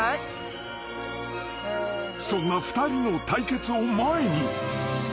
［そんな２人の対決を前に］